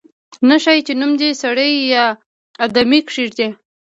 نه ښايي چې نوم دې سړی یا آدمي کېږدي.